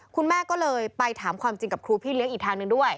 คุณแม่ก็เลยไปถามความจริงกับครูพี่เลี้ยงอีกทางหนึ่งด้วย